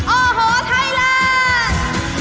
โอ้โหไทยแลนด์